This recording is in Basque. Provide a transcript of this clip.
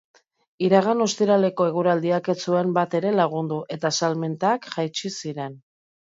Iragan ostiraleko eguraldiak ez zuen batere lagundu, eta salmentak jaitsi ziren.